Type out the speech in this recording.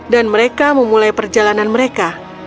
dan mereka memulai perjalanan mereka